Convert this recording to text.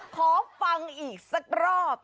ขอฟังอีกสักรอบ